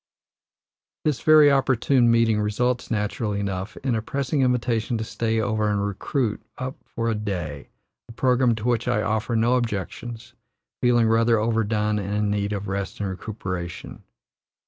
This very opportune meeting results, naturally enough, in a pressing invitation to stay over and recruit up for a day, a programme to which I offer no objections, feeling rather overdone and in need of rest and recuperation.